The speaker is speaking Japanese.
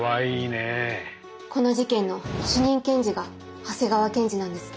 この事件の主任検事が長谷川検事なんです。